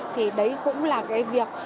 thì đấy cũng là cái việc